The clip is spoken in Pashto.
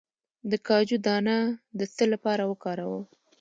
د کاجو دانه د څه لپاره وکاروم؟